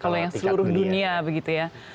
kalau yang seluruh dunia begitu ya